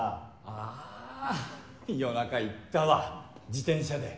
あっ夜中行ったわ自転車で。